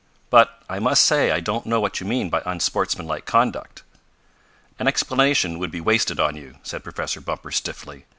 But I must say I don't know what you mean by unsportsmanlike conduct." "An explanation would be wasted on you," said Professor Bumper stiffly.